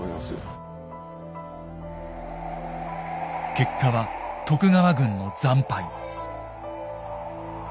結果は徳川軍の惨敗。